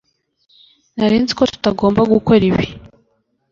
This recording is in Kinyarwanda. Nari nzi ko tutagomba gukora ibi